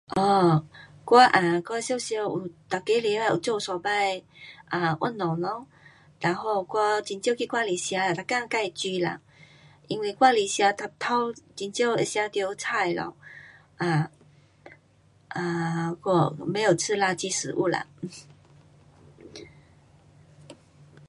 um 我啊，我常常,我每个礼拜有做三次 um 运动咯。然后我很少到外面吃，每天自煮啦。因为外里吃 um um 很少有吃到菜咯。um um 我没有吃垃圾食物啦